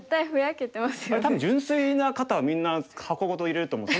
あれ多分純粋な方はみんな箱ごと入れると思う。